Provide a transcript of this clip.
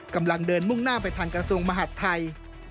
กำลังเดินมุ่งหน้าไปทางกระทรวงมหาดไทย